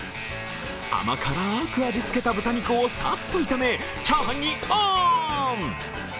甘辛く味付けた豚肉をさっと炒めチャーハンにオン。